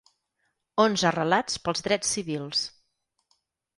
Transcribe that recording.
Onze relats pels drets civils.